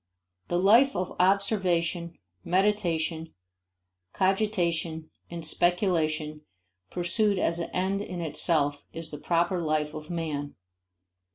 The life of observation, meditation, cogitation, and speculation pursued as an end in itself is the proper life of man.